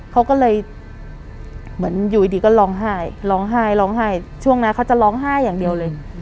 เขาก็เลยเหมือนอยู่ดีก็ร้องไห้ร้องไห้ช่วงนั้นเขาจะร้องไห้อย่างเดียวเลย